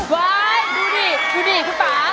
ไว้ดูดิดูดิพี่ป๊า